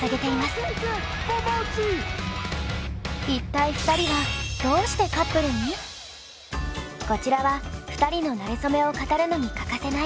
一体２人はこちらは２人のなれそめを語るのに欠かせない「なれそメモ」！